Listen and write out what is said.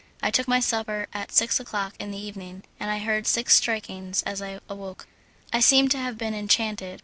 I took my supper at six o'clock in the evening, and I heard six striking as I awoke. I seemed to have been enchanted.